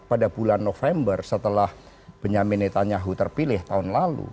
pada bulan november setelah benyamin netanyahu terpilih tahun lalu